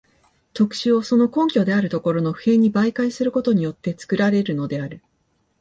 特殊をその根拠であるところの普遍に媒介することによって作られるのである。